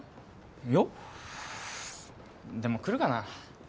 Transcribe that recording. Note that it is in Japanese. いやでも来るかな？